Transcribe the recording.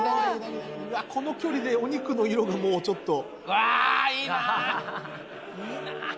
この距離でお肉の色がもう、ちょっと。